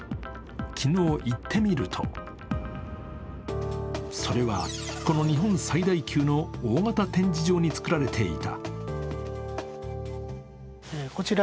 昨日、行ってみるとそれはこの日本最大級の大型展示場に造られていた。